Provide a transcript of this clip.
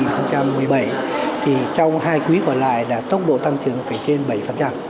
năm hai nghìn một mươi bảy thì trong hai quý còn lại là tốc độ tăng trưởng phải trên bảy